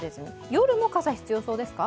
夜も傘、必要そうですか？